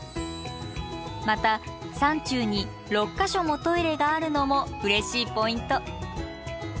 また山中に６か所もトイレがあるのもうれしいポイント。